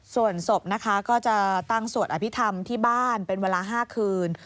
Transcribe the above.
ส่วนศพนะคะก็จะตั้งสวดอภิษฐรรมที่บ้านเป็นเวลา๕คืน